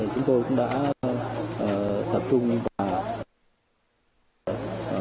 chúng tôi cũng đã tập trung và